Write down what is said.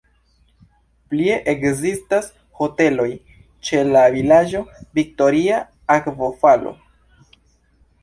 Plie ekzistas hoteloj ĉe la vilaĝo "Viktoria Akvofalo".